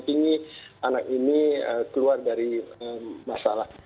dan tinggi anak ini keluar dari masalah